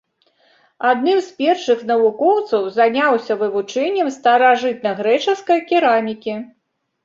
Адным з першых навукоўцаў заняўся вывучэннем старажытнагрэчаскай керамікі.